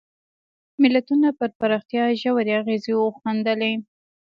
ملتونو پر پراختیا ژورې اغېزې وښندلې.